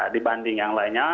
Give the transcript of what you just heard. dibanding yang lainnya